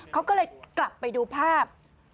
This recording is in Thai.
เขาก็เลยกลับไปดูภาพ